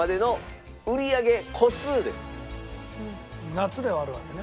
夏ではあるわけね。